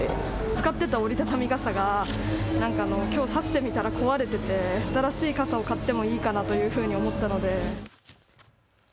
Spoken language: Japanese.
使ってた折り畳み傘がきょう差してみたら壊れてて新しい傘を買ってもいいかなというふうに思ったので。